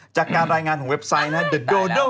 จากการรายงานของเว็บไซต์นะฮะ